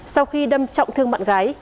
sau khi đâm trọng thương bạn gái